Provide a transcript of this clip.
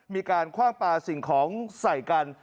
มีการคว้างปลาสิ่งของใส่กัน